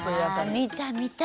あ見た見た。